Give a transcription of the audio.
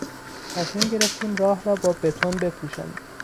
تصمیم گرفتیم راه را با بتون بپوشانیم.